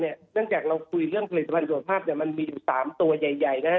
เนื่องจากเราคุยเรื่องผลิตภัณฑภาพมันมีอยู่๓ตัวใหญ่นะครับ